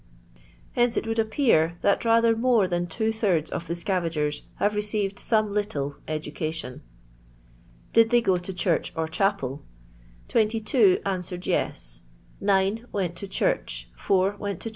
Hence it would appear, that rather more than two thirds of the scavagers have received some little education. Did theg go to church or chapel f 22 answered yes. 1 not often. 9 went to church. 17 never went at all.